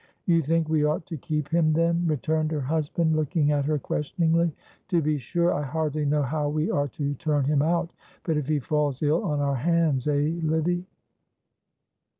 "You think we ought to keep him, then," returned her husband, looking at her questioningly. "To be sure, I hardly know how we are to turn him out; but if he falls ill on our hands, eh, Livy?"